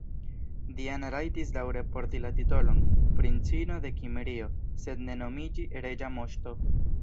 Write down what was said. Diana rajtis daŭre porti la titolon "Princino de Kimrio", sed ne nomiĝi "reĝa moŝto".